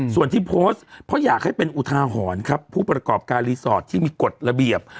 ส่วนที่โพสต์เพราะอยากให้เป็นอุทาหรณ์ครับผู้ประกอบการรีสอร์ทที่มีกฎระเบียบ